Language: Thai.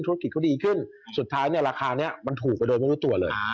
ธุรกิจเขาดีขึ้นสุดท้ายเนี่ยราคานี้มันถูกไปโดยไม่รู้ตัวเลย